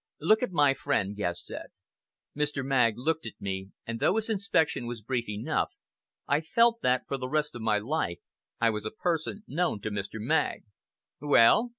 "Look at my friend," Guest said. Mr. Magg looked at me, and though his inspection was brief enough, I felt that, for the rest of my life, I was a person known to Mr. Magg. "Well?"